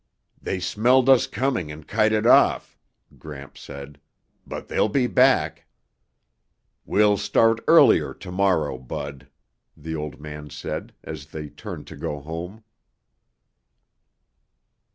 "They smelled us coming and kited off," Gramps said. "But they'll be back. "We'll start earlier tomorrow, Bud," the old man said as they turned to go home.